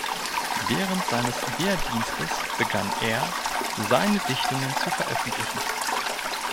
Während seines Wehrdienstes begann er, seine Dichtungen zu veröffentlichen.